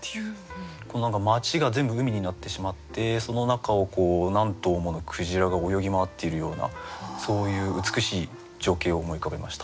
町が全部海になってしまってその中を何頭もの鯨が泳ぎ回っているようなそういう美しい情景を思い浮かべました。